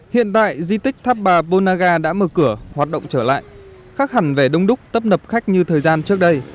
hiện tại di tích tháp bà bô na ga đã mở cửa hoạt động trở lại khắc hẳn về đông đúc tấp nập khách như thời gian trước đây